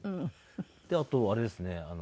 であとあれですね。